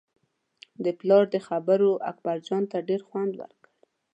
د پلار دې خبرو اکبرجان ته ډېر خوند ورکړ.